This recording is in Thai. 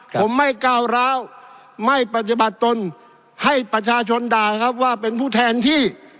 ผมไม่ก้าวร้าวไม่ปฏิบัติตนให้ประชาชนด่าครับว่าเป็นผู้แทนที่